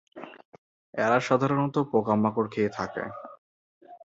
এরা সাধারণত পোকামাকড় খেয়ে থাকে।